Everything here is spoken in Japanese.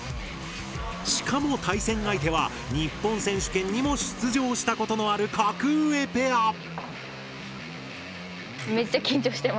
しかも対戦相手は日本選手権にも出場したことのある格上ペア。